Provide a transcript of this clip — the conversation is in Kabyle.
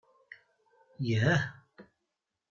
Yah!